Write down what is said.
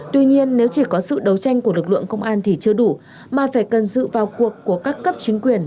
tuy nhiên nếu chỉ có sự đấu tranh của lực lượng công an thì chưa đủ mà phải cần sự vào cuộc của các cấp chính quyền